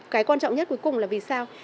cái quan trọng nhất cuối cùng là vì sao